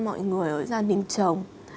mọi người ở gia đình chồng